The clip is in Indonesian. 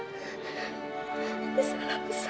ini salah besar